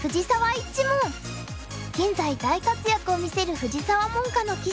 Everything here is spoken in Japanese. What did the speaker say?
現在大活躍を見せる藤澤門下の棋士たち。